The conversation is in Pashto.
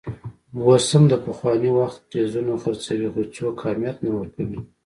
اوس هم د پخواني وخت ټیزونه خرڅوي، خو څوک اهمیت نه ورکوي.